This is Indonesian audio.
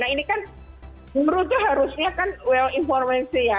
nah ini kan menurutnya harusnya kan well informasi ya